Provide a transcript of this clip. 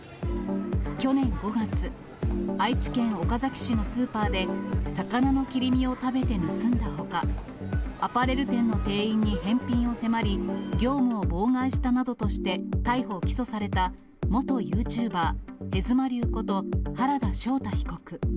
去年５月、愛知県岡崎市のスーパーで、魚の切り身を食べて盗んだほか、アパレル店の店員に返品を迫り、業務を妨害したなどとして、逮捕・起訴された元ユーチューバー、へずまりゅうこと原田将大被告。